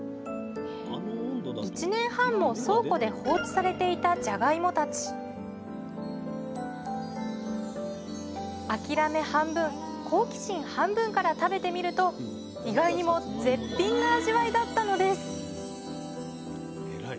１年半も倉庫で放置されていたじゃがいもたち諦め半分好奇心半分から食べてみると意外にも絶品の味わいだったのです偉い。